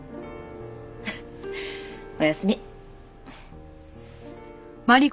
おやすみ。